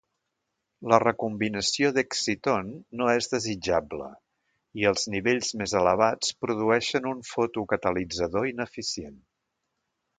La recombinació d'Exciton no és desitjable i els nivells més elevats produeixen un fotocatalitzador ineficient.